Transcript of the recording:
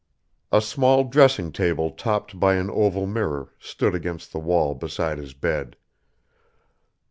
A small dressing table topped by an oval mirror stood against the wall beside his bed.